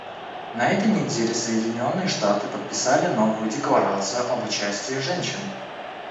На этой неделе Соединенные Штаты подписали новую декларацию об участии женщин.